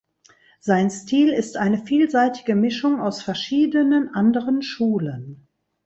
Sein Stil ist eine vielseitige Mischung aus verschiedenen anderen Schulen.